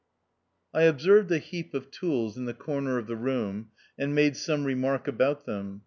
I observed a heap of tools in the corner of the room, and made some remark about them.